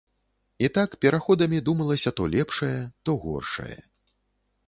І так пераходамі думалася то лепшае, то горшае.